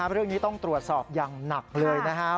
เรื่องนี้ต้องตรวจสอบอย่างหนักเลยนะครับ